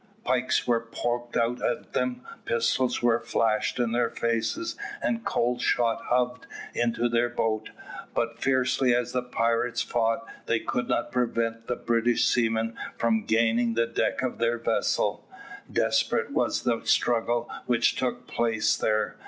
Pikes were poked out at them, pistols were flashed in their faces, and cold shot hove into their boat, but fiercely as the pirates fought, they could not prevent the British seamen from gaining the deck of their vessel. Desperate was the struggle which took place there.